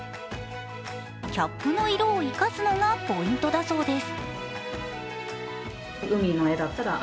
キャップの色を生かすのがポイントだそうです。